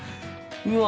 うわ！